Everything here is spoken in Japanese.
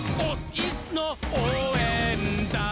イスのおうえんだん！」